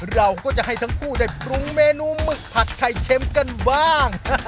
เราก็จะให้ทั้งคู่ได้ปรุงเมนูหมึกผัดไข่เค็มกันบ้าง